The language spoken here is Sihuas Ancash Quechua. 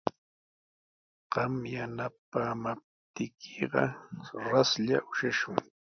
Qam yanapaamaptiykiqa raslla ushashun.